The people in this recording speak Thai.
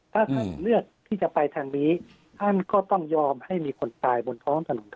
ถ้าท่านเลือกที่จะไปทางนี้ท่านก็ต้องยอมให้มีคนตายบนท้องถนน